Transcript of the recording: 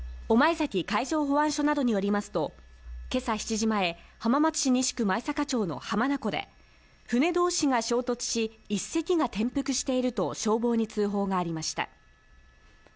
御前崎海上保安署などによりますと、今朝７時前、浜松市西区の浜名湖で船同士が衝突し、１隻が転覆してると消防に通報がありました。